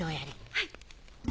はい。